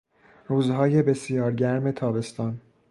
روزهای بسیار گرم تابستان